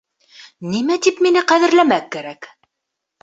Нимә тип мине ҡәҙерләмәк кәрәк?